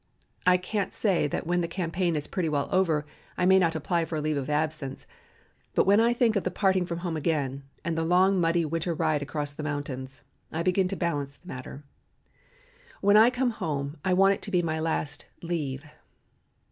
I can't say that when the campaign is pretty well over I may not apply for a leave of absence; but when I think of the parting from home again and the long muddy winter ride across the mountains, I begin to balance the matter. When I come home I want it to be my last 'leave.'